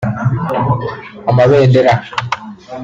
amabendera